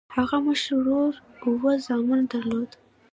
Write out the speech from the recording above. هغه مشر ورور اووه زامن درلودل.